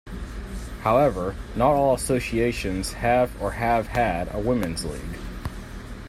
However, not all associations have or have had a women's league.